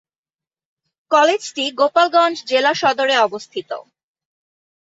কলেজটি গোপালগঞ্জ জেলা সদরে অবস্থিত।